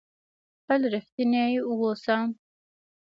تل رښتنی اوسهٔ.